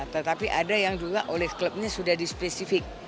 tetapi ada yang juga oleh klubnya sudah di spesifik